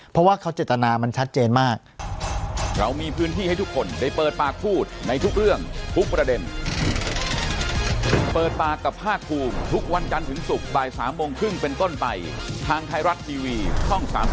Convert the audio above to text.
เพราะว่าเขาเจตนามันชัดเจนมาก